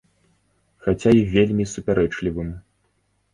Хаця і вельмі супярэчлівым.